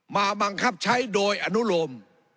มาบังคับใช้โดยอนุโลม